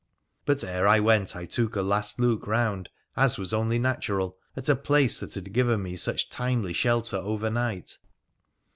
But ere I went I took a last look round — as was only natural — at a place that had given me such timely shelter overnight.